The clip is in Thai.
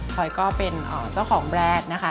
พอยก็เป็นเจ้าของแบรนด์นะคะ